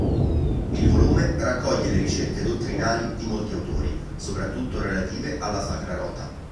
Il volume raccoglie le ricerche dottrinali di molti autori, soprattutto relative alla Sacra Rota.